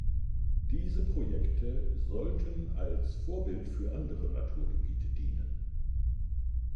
Diese Projekte sollten als Vorbild für andere Naturgebiete dienen.